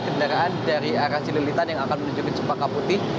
kendaraan dari arah cililitan yang akan menuju ke cempaka putih